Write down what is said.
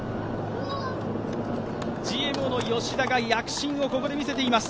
ＧＭＯの吉田が躍進をここで見せています。